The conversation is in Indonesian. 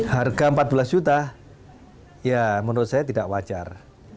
harga empat belas juta ya menurut saya tidak wajar